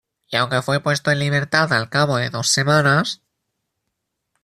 Y aunque fue puesto en libertad al cabo de dos semanas.